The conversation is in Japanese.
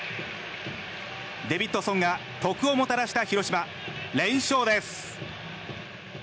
デビッドソンが得をもたらした広島連勝です！